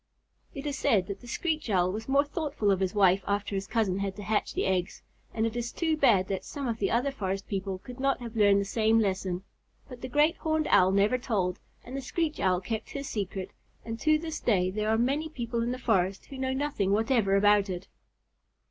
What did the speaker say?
It is said that the Screech Owl was more thoughtful of his wife after his cousin had to hatch the eggs, and it is too bad that some of the other forest people could not have learned the same lesson; but the Great Horned Owl never told, and the Screech Owl kept his secret, and to this day there are many people in the forest who know nothing whatever about it.